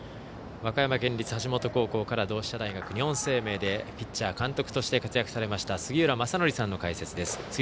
和歌山県立和歌山高校から同志社大学、日本生命でピッチャー、監督として活躍されました杉浦正則さんの解説です。